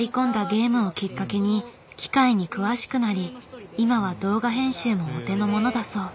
ゲームをきっかけに機械に詳しくなり今は動画編集もお手の物だそう。